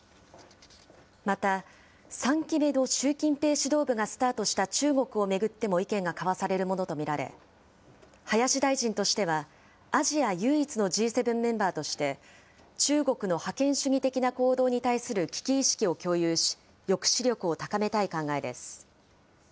また、３期目の習近平指導部がスタートした中国を巡っても意見が交わされるものと見られ、林大臣としては、アジア唯一のＧ７メンバーとして、中国の覇権主義的な行動に対する危機意識を共有し、抑止力を高めたい考えです。